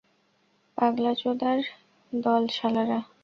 পাগলাচোদার দল, শালারা।